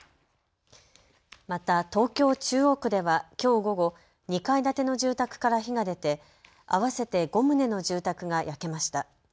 また東京中央区ではきょう午後、２階建ての住宅から火が出て合わせて５棟の住宅が焼けました。